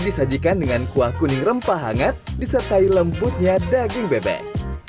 disajikan dengan kuah kuning rempah hangat disertai lembutnya daging bebek